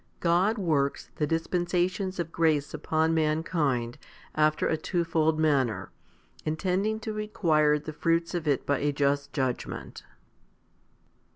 HOMILY XXIX God works the dispensations of grace upon mankind after a twofold manner, intending to require the fruits of it by a just judgment.